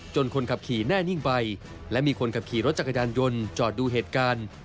คนขับขี่แน่นิ่งไปและมีคนขับขี่รถจักรยานยนต์จอดดูเหตุการณ์